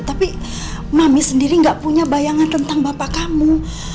tapi mami sendiri gak punya bayangan tentang bapak kamu